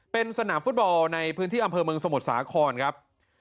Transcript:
เป็นสนามฟุตบอลในพื้นที่อำเภอเมืองสมุทรสาครครับ